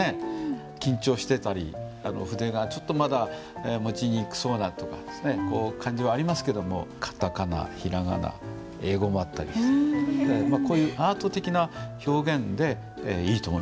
緊張してたり筆がちょっとまだ持ちにくそうな感じはありますけども片仮名平仮名英語もあったりしてこういうアート的な表現でいいと思います。